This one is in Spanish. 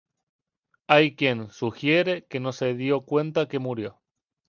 Hay quien sugiere que no se dio cuenta que murió.